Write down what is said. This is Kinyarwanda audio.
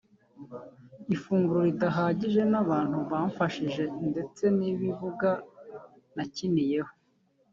ifunguro ridahagije n’abantu bamfashije ndetse n’ibibuga nakiniyeho